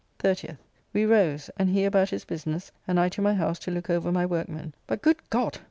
30th. We rose, and he about his business, and I to my house to look over my workmen; but good God!